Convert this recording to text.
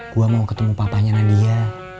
gue mau ketemu papanya nadia